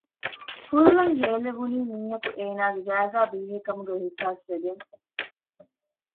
ހުލް އަށް ހޭލެވުނީ މީހަކު އޭނާގެ ގައިގައި ބީހޭ ކަމުގެ އިހުސާސްވެގެން